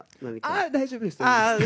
あっ、大丈夫です。